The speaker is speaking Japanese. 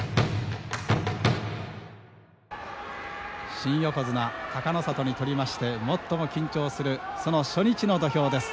新横綱・隆の里にとりまして最も緊張するその初日の土俵です。